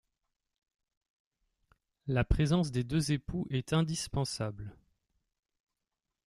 La présence des deux époux est indispensable.